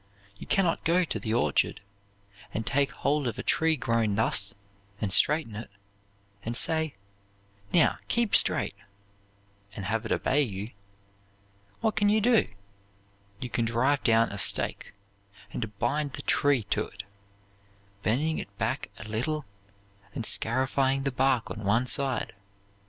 You can not go to the orchard, and take hold of a tree grown thus, and straighten it, and say, 'Now keep straight!' and have it obey you. What can you do? You can drive down a stake, and bind the tree to it, bending it back a little, and scarifying the bark on one side.